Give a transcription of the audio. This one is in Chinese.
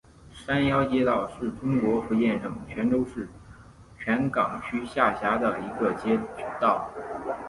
山腰街道是中国福建省泉州市泉港区下辖的一个街道。